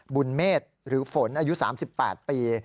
บุญเมษร์หรือฝนอายุ๓๘ปี